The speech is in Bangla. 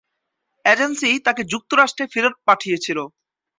এজেন্সি তাকে যুক্তরাষ্ট্রে ফেরত পাঠিয়েছিল।